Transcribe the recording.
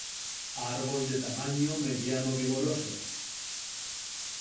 Árbol de tamaño mediano vigoroso.